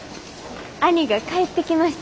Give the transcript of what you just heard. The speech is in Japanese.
兄が帰ってきました。